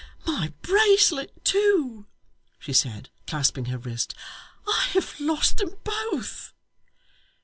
My bracelet too,' she said, clasping her wrist. 'I have lost them both.